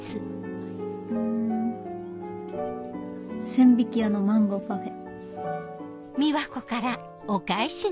千疋屋のマンゴーパフェ。